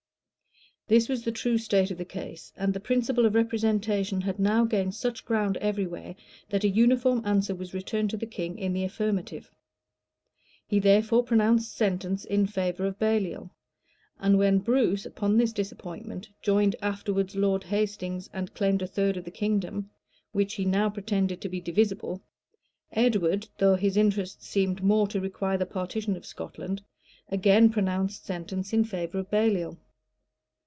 This was the true state of the case; and the principle of representation had now gained such ground every where, that a uniform answer was returned to the king in the affirmative. He therefore pronounced sentence in favor of Balioi; and when Bruce, upon this disappointment, joined afterwards Lord Hastings, and claimed a third of the kingdom, which he now pretended to be divisible, Edward, though his interests seemed more to require the partition of Scotland, again pronounced sentence in favor of Baliol.